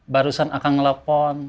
barusan akan ngelapon